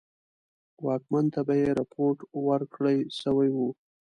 واکمن ته به یې رپوټ ورکړه سوی وو.